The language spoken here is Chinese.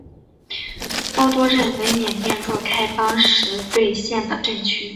包多镇为缅甸若开邦实兑县的镇区。